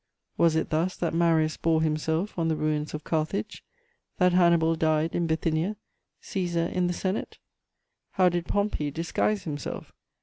Was it thus that Marius bore himself on the ruins of Carthage, that Hannibal died in Bithynia, Cæsar in the Senate? How did Pompey disguise himself?